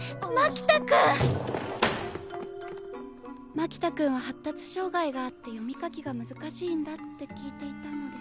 牧田君は発達障害があって読み書きが難しいんだって聞いていたので。